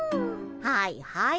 はいはい。